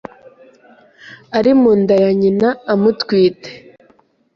ari munda ya nyina amutwite.